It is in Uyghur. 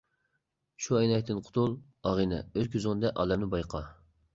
شۇ ئەينەكتىن قۇتۇل، ئاغىنە، ئۆز كۆزۈڭدە ئالەمنى بايقا.